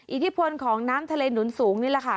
อิทธิพลของน้ำทะเลหนุนสูงนี่แหละค่ะ